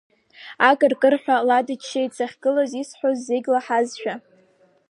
Акыр-кырҳәа ла дыччеит, сахьгылаз исҳәоз зегь лаҳазшәа.